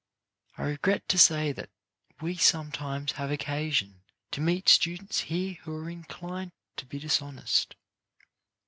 I regret to say that we sometimes have occa sion to meet students here who are inclined to be dishonest.